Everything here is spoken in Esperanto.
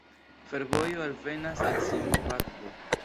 Fervojo alvenas el Zimbabvo.